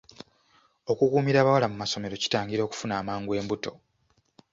Okukuumira abawala mu ssomero kitangira okufuna amangu embuto